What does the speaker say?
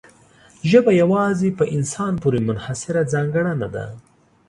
ژبه یوازې په انسان پورې منحصره ځانګړنه ده.